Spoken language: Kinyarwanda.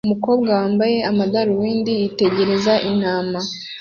Umukobwa wambaye amadarubindi yitegereza intama